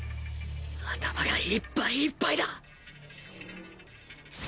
頭がいっぱいいっぱいだ！